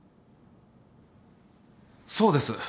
そうです。